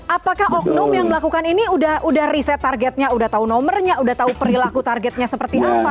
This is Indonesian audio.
apakah oknum yang melakukan ini udah riset targetnya udah tahu nomornya udah tahu perilaku targetnya seperti apa